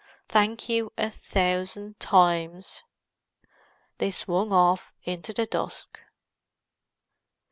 "Thank you a thousand times." They swung off into the dusk.